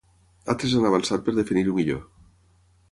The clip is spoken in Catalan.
Altres han avançat per definir-ho millor.